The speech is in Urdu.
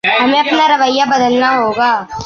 ہمیں اپنا رویہ بدلنا ہوگا۔